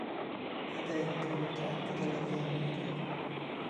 Ed è il primo tratto della via Emilia.